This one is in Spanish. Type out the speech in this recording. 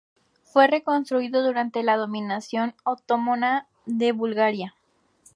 Fue reconstruido durante la dominación otomana de Bulgaria.